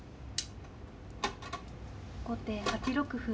後手８六歩。